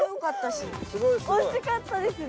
惜しかったですね。